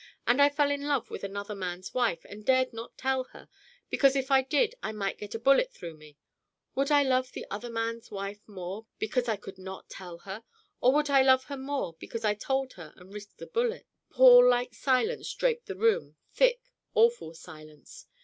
And I fell in love with another man's wife and dared not tell her, because if I did I might get a bullet through me; would I love the other man's wife more because I could not tell her, or would I love her more because I told her and risked the bullet?" Pall like silence draped the room, thick, awful silence.